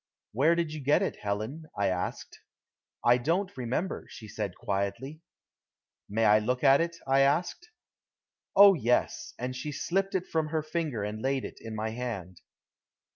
"Where did you get it, Helen?" I asked. "I don't remember," she said quietly. "May I look at it?" I asked. "Oh, yes," and she slipped it from her finger and laid it in my hand.